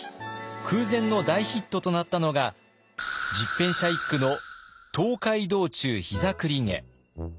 空前の大ヒットとなったのが十返舎一九の「東海道中膝栗毛」。